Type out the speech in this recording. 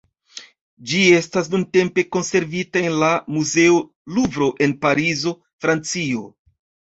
Ĝi estas nuntempe konservita en la Muzeo Luvro en Parizo, Francio.